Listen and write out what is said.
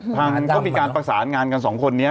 พังเขามีการปรักษางานกันสองคนนี้